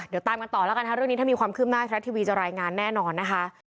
เดี๋ยวตามกันต่อแล้วกันค่ะเรื่องนี้ถ้ามีความคืบหน้าไทยรัฐทีวีจะรายงานแน่นอนนะคะ